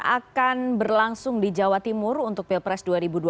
akan berlangsung di jawa timur untuk pilpres dua ribu dua puluh